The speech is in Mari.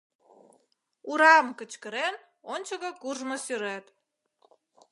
«Урам» кычкырен, ончыко куржмо сӱрет.